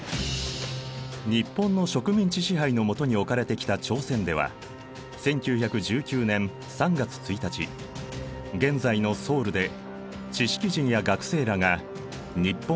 日本の植民地支配の下に置かれてきた朝鮮では１９１９年３月１日現在のソウルで知識人や学生らが日本からの独立を宣言。